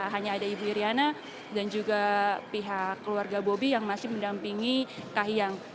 hanya ada ibu iryana dan juga pihak keluarga bobi yang masih mendampingi kahiyang